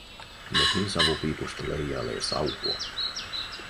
Mökin savupiipusta leijailee sauhua.